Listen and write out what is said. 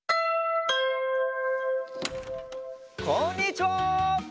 こんにちは！